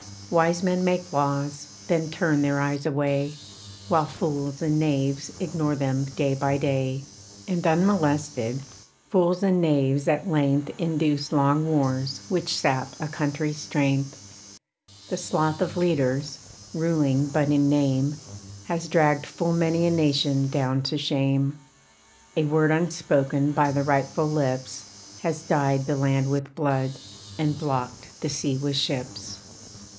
Wise men make laws, then turn their eyes away, While fools and knaves ignore them day by day; And unmolested, fools and knaves at length Induce long wars which sap a country's strength. The sloth of leaders, ruling but in name, Has dragged full many a nation down to shame. A word unspoken by the rightful lips Has dyed the land with blood, and blocked the sea with ships.